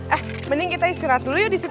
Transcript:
eh mending kita istirahat dulu ya disitu